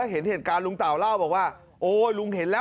วันนี้มีคำว่าขวดเปล่า